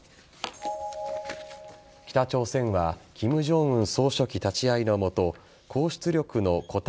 北朝鮮は金正恩総書記立ち会いのもと高出力の固体